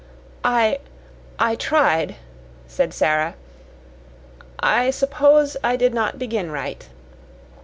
"I I tried," said Sara. "I I suppose I did not begin right."